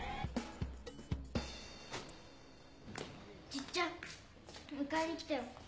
じっちゃん迎えに来たよ。